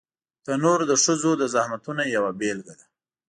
تنور د ښځو د زحمتونو یوه بېلګه ده